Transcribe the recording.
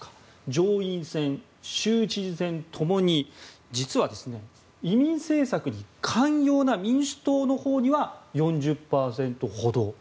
上院選、州知事選共に実は移民政策に寛容な民主党には４０％ほど。